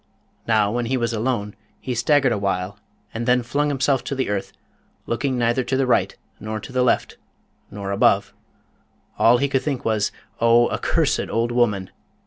Now, when he was alone, he staggered awhile and then flung himself to the earth, looking neither to the right nor to the left, nor above. All he could think was, 'O accursed old woman!'